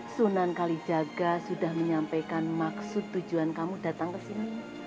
sunan kalijaga sudah menyampaikan maksud tujuan kamu datang ke sini